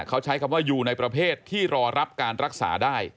เขาใช้คำว่าอยู่ในประเภทที่รอรับการรักษาได้